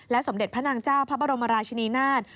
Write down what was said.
สมเด็จพระนางเจ้าพระบรมราชินีนาฏ